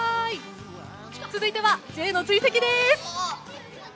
続いては、Ｊの追跡です。